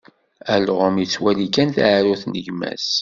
Alɣem ittwali kan taɛrurt n gma-s.